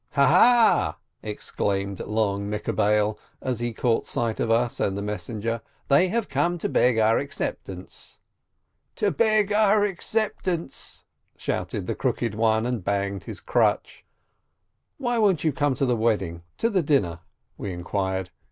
"Ha, ha !" exclaimed Long Mekabbel, as he caught sight of us and the messenger, "they have come to beg our acceptance !" "To beg our acceptance!" shouted the Crooked One, and banged his crutch. "Why won't you come to the wedding, to the dinner ?" we inquired.